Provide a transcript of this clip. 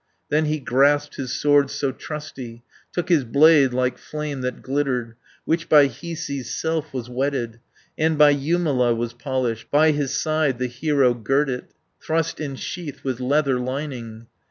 Then he grasped his sword so trusty, Took his blade, like flame that glittered, Which by Hiisi's self was whetted. And by Jumala was polished. 230 By his side the hero girt it, Thrust in sheath with leather lining.